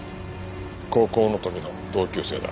高校の時の同級生だ。